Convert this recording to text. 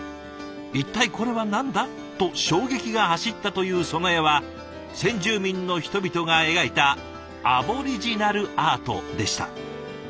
「一体これは何だ？」と衝撃が走ったというその絵は先住民の人々が描いたアボリジナルアートでした。